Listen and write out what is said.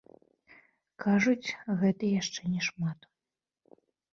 Кажуць, гэта яшчэ не шмат.